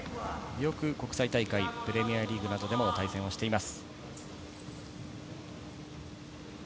よく国際大会、プレミアリーグなどでも対戦しています。